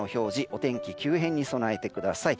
お天気、急変に備えてください。